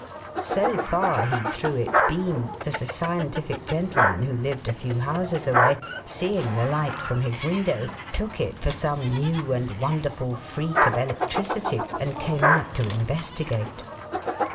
So far he threw its beam that a scientific gentleman who lived a few houses away, seeing the light from his window, took it for some new and wonderful freak of electricity and came out to investigate.